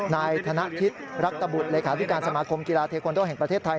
นายธนคิดรักตบุตรเลขาธิการสมาคมกีฬาเทคอนโดแห่งประเทศไทย